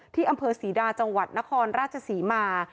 ที่อำเภอศรีดาจังหวัดนครราชศรีมา